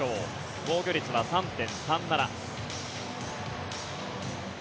防御率は３．３７。